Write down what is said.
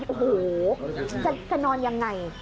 โอ้โหจะนอนยังไง